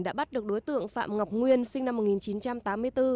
đã bắt được đối tượng phạm ngọc nguyên sinh năm một nghìn chín trăm tám mươi bốn